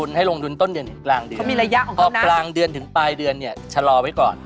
อบหลังเดือนถึงปลายเดือนเนี่ยจะรอไว้ก่อน